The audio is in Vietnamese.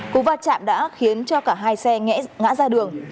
cú va chạm đã khiến cho cả hai xe ngã ra đường